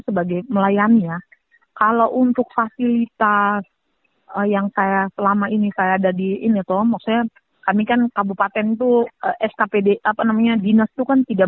sumber daya manusia orang asli papua untuk menjadi lebih baik